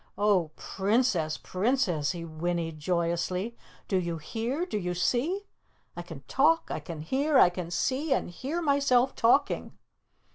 "Oh, Princess, Princess!" he whinnied joyously. "Do you hear? Do you see? I can talk, I can hear, I can see and hear myself talking!"